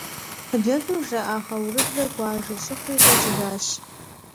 Хъыджэбзым жраӏа хъэурыбзэр гуажэ щыхъури щӏэкӏыжащ.